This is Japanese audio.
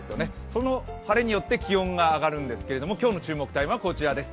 その晴れによって気温が上がるんですが、今日の注目タイムはこちらです。